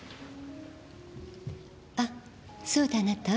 あそうだあなた。